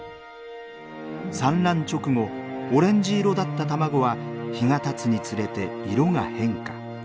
産卵直後オレンジ色だった卵は日がたつにつれて色が変化。